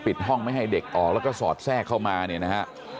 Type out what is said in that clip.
ห้องไม่ให้เด็กออกแล้วก็สอดแทรกเข้ามาเนี่ยนะฮะ